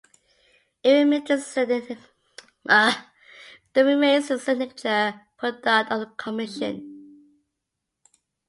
It remains the signature product of the Commission.